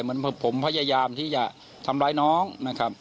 เหมือนผมพยายามที่จะทำร้ายน้องนะครับ